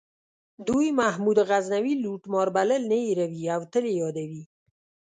دوی محمود غزنوي لوټمار بلل نه هیروي او تل یې یادوي.